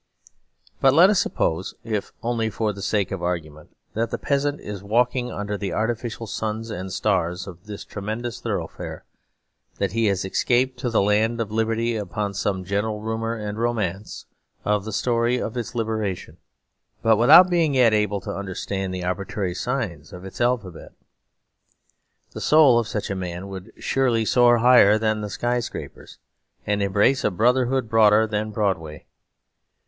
But let us suppose, if only for the sake of argument, that the peasant is walking under the artificial suns and stars of this tremendous thoroughfare; that he has escaped to the land of liberty upon some general rumour and romance of the story of its liberation, but without being yet able to understand the arbitrary signs of its alphabet. The soul of such a man would surely soar higher than the sky scrapers, and embrace a brotherhood broader than Broadway.